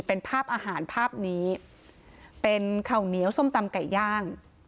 เป็นภาพอาหารภาพนี้เป็นข่าวเหนียวส้มตำไก่ย่าง